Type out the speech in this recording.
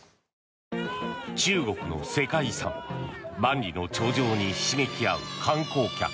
中国の世界遺産、万里の長城にひしめき合う観光客。